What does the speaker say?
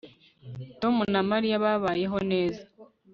Tom na Mariya babayeho neza